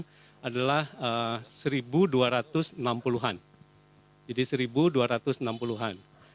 dan kalau kita melihat kontak tracing yang kami lakukan gitu ya